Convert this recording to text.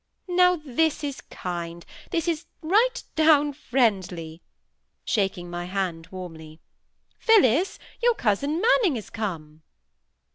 "Now this is kind—this is right down friendly," shaking my hand warmly. "Phillis, your cousin Manning is come!"